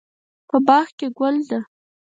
په باغ کې ګل ده